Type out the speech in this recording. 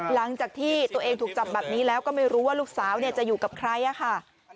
หลังจากที่ตัวเองถูกจับแบบนี้แล้วก็ไม่รู้ว่าลูกสาวจะอยู่กับใครค่ะ